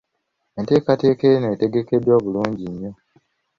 Enteekateeka eno etegekeddwa bulungi nnyo!